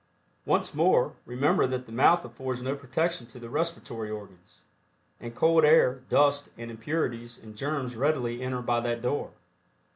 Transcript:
Once more, remember that the mouth affords no protection to the respiratory organs, and cold air, dust and impurities and germs readily enter by that door.